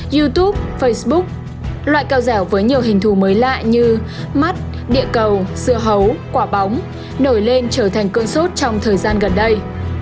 youtube facebook loại cao dẻo với nhiều hình thù mới lạ như mắt địa cầu dưa hấu quả bóng nổi lên trở thành cơn sốt trong thời gian gần đây